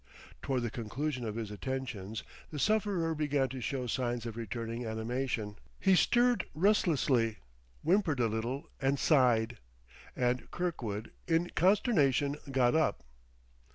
Toward the conclusion of his attentions, the sufferer began to show signs of returning animation. He stirred restlessly, whimpered a little, and sighed. And Kirkwood, in consternation, got up.